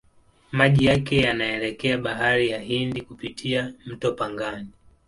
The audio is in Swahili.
Maji yake yanaelekea Bahari ya Hindi kupitia mto Pangani.